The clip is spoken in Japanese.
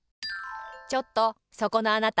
ちょっとそこのあなた。